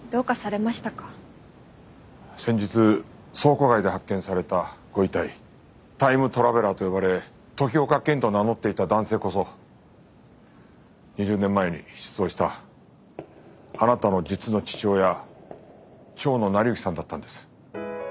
先日倉庫街で発見されたご遺体タイムトラベラーと呼ばれ時岡賢と名乗っていた男性こそ２０年前に失踪したあなたの実の父親蝶野成行さんだったんです。